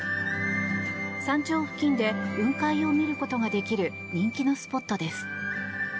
山頂付近で雲海を見ることができる人気スポットです。